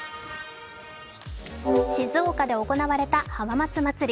静岡で行われた浜松まつり。